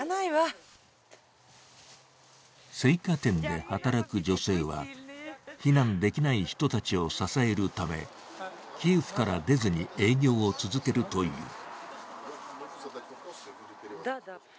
青果店で働く女性は、避難できない人たちを支えるためキエフから出ずに営業を続けるという。